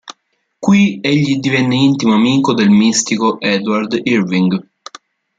Qui egli divenne intimo amico del mistico Edward Irving.